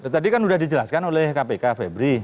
tadi kan sudah dijelaskan oleh kpk febri